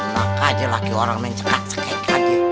laka aja laki laki orang mencekak ncekek aja